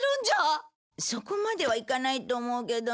そこまではいかないと思うけど。